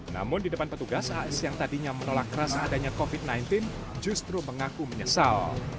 namun di depan petugas as yang tadinya menolak keras adanya covid sembilan belas justru mengaku menyesal